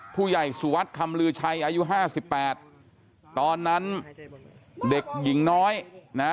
ผู้ใหญ่สุวัสดิ์คำลือชัยอายุห้าสิบแปดตอนนั้นเด็กหญิงน้อยนะ